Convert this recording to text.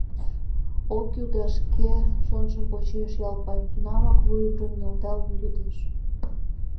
— Ок кӱл да... — шке чонжым почеш Ялпай, тунамак вуйым рыҥ нӧлталын йодеш.